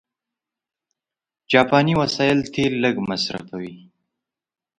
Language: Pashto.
جاپاني وسایل تېل لږ مصرفوي.